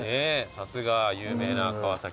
さすが有名な川崎大師。